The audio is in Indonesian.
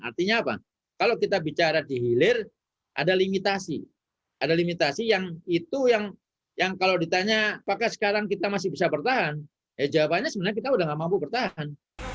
artinya apa kalau kita bicara di hilir ada limitasi ada limitasi yang itu yang kalau ditanya apakah sekarang kita masih bisa bertahan ya jawabannya sebenarnya kita udah gak mampu bertahan